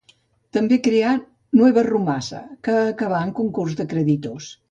També creà Nueva Rumasa, que acabà en concurs de creditors.